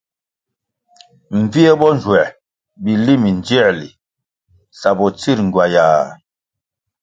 Mbvie bo nzuē bili mindziēli sa bo tsir ngywayah.